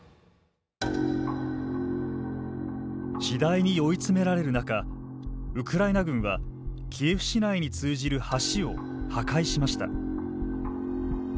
次第に追い詰められる中ウクライナ軍はキエフ市内に通じる橋を破壊しました。